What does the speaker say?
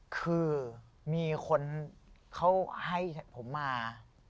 คือมีคนเขาให้ผมมา